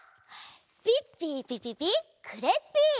ピッピーピピピクレッピー！